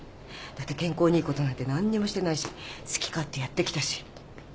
だって健康にいいことなんて何にもしてないし好き勝手やってきたし。